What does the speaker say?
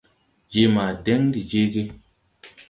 Je ma dɛŋ de jeege.